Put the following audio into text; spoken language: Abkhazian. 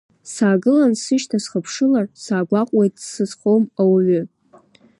Саагылан сышьҭа схыԥшылар, саагәаҟуеит дсызхом ауаҩы…